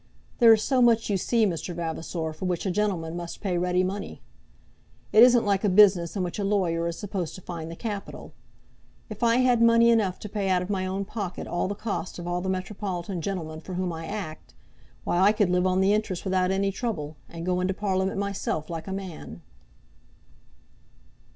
There is so much you see, Mr. Vavasor, for which a gentleman must pay ready money. It isn't like a business in which a lawyer is supposed to find the capital. If I had money enough to pay out of my own pocket all the cost of all the metropolitan gentlemen for whom I act, why, I could live on the interest without any trouble, and go into Parliament myself like a man."